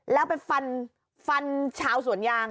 แล้วไปฟันชาวส่วนยาง